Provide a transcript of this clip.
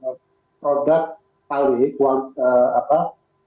yang kita khawatirkan itu satu produk tali